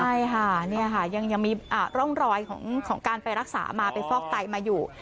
ใช่ฮะเนี่ยฮะยังยังมีอ่าร่องรอยของของการไปรักษามาไปฟอกไตมาอยู่